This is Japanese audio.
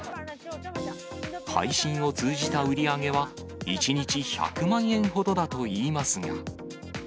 配信を通じた売り上げは、１日１００万円ほどだといいますが。